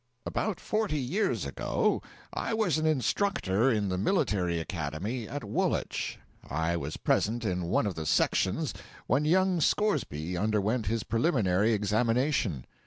About forty years ago I was an instructor in the military academy at Woolwich. I was present in one of the sections when young Scoresby underwent his preliminary examination.